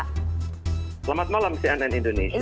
selamat malam cnn indonesia